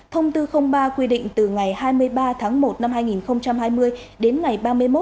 thông tư ba quy định từ ngày hai mươi ba một hai nghìn hai mươi đến ngày ba mươi một một mươi hai hai nghìn hai mươi một